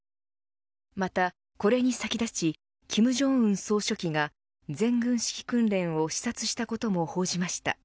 またこれに先立ち金正恩総書記が全軍指揮訓練を視察したことも報じました。